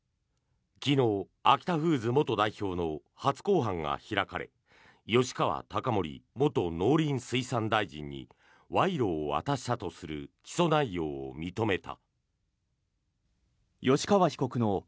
昨日、アキタフーズ元代表の初公判が開かれ吉川貴盛元農林水産大臣に賄賂を渡したとする起訴内容を認めた。